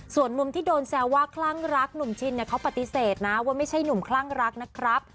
ส่วนมุมที่โดนแซวว่าคลั่งรักหนุ่มชินเขาปฏิเสธนะว่าไม่ใช่หนุ่มคลั่งรักนะครับ